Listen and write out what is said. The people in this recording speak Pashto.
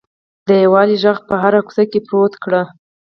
د یووالي غږ په هره کوڅه کې پورته کړئ.